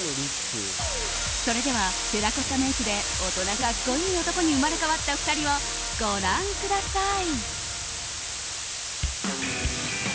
それではテラコッタメイクで大人格好いい男に生まれ変わった２人をご覧ください。